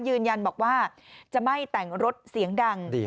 ยืนยันบอกว่าจะไม่แต่งรถเสียงดัง